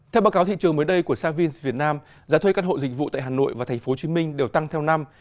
theo báo cáo thị trường mới đây của savins việt nam giá thuê căn hộ dịch vụ tại hà nội và tp hcm đều tăng theo năm